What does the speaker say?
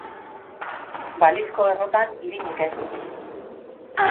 Balizko errotan irinik ez